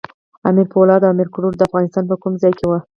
امیر پولاد او امیر کروړ د افغانستان په کوم ځای کې وو؟